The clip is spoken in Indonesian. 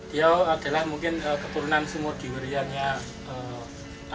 dia adalah mungkin keturunan semua diwiriannya